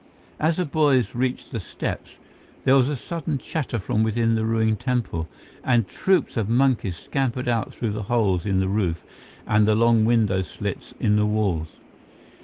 As the boys reached the steps, there was a sudden chatter from within the ruined temple, and troupes of monkeys scampered out through the holes in the roof and the long window slits in the walls.